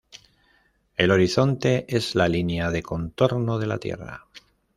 El horizonte es la linea de contorno de la tierra.